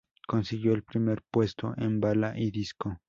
Consiguió el Primer Puesto en Bala y Disco.